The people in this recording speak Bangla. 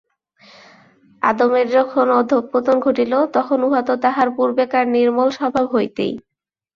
আদমের যখন অধঃপতন ঘটিল, তখন উহা তো তাঁহার পূর্বেকার নির্মল স্বভাব হইতেই।